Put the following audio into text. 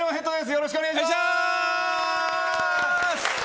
よろしくお願いします！